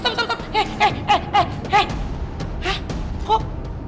tuh kita ke kantin dulu gi